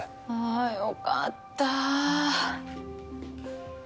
あよかった。